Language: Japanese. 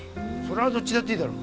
それはどっちだっていいだろ。